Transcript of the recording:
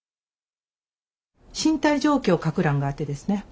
身体状況を書く欄があってですね